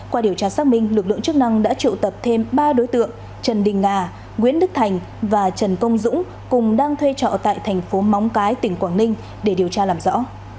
qua điều tra xác minh lực lượng chức năng đã triệu tập thêm ba đối tượng trần đình nga nguyễn đức thành và trần công dũng cùng đang thuê trọ tại thành phố móng cái tỉnh quảng ninh để điều tra làm rõ